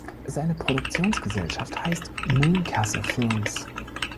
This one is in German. Seine Produktionsgesellschaft heißt "Mooncusser Films".